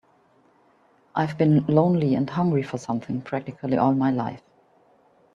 I've been lonely and hungry for something practically all my life.